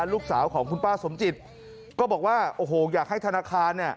ลูกสาวของคุณป้าสมจิตก็บอกว่าอยากให้ธนาคาร